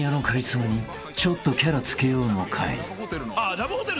ラブホテルの。